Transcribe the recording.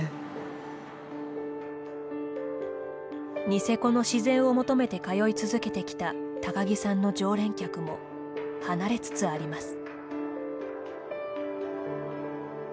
ニセコの自然を求めて通い続けてきた、高木さんの常連客も離れつつあります。